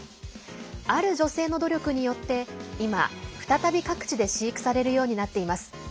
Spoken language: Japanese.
ある女性の努力によって今、再び各地で飼育されるようになっています。